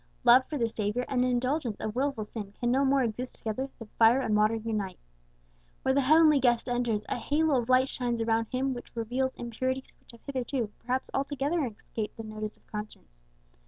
Love for the Saviour and the indulgence of wilful sin can no more exist together than fire and water unite. Where the Heavenly Guest enters, a halo of light shines around Him which reveals impurities which have hitherto, perhaps, altogether escaped the notice of conscience.